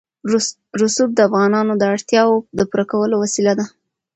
رسوب د افغانانو د اړتیاوو د پوره کولو وسیله ده.